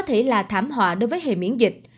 thảm họa đối với hệ miễn dịch